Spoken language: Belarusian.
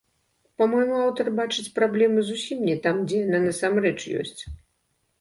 Па-мойму, аўтар бачыць праблему зусім не там, дзе яна насамрэч ёсць.